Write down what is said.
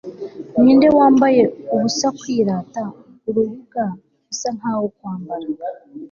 Ninde wambaye ubusakwirata urubuga bisa nkaho kwambara